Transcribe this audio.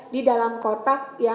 di dalam kotak